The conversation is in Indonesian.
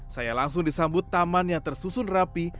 saya langsung disambut taman yang tersusun rapi